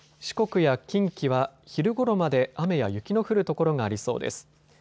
四国や近畿は昼ごろまで雨や雪の降る所がありそうです。